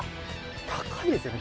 高いですよね。